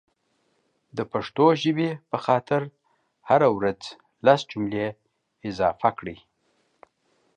دا پښتو ژبې په خاطر هره ورځ لس جملي اضافه کړئ